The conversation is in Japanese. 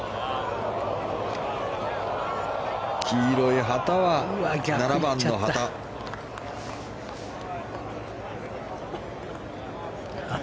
黄色い旗は７番の旗。